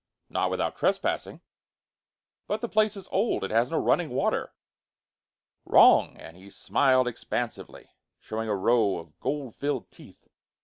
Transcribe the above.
"Not without trespassing." "But the place is old. It has no running water." "Wrong!" and he smiled expansively, showing a row of gold filled teeth.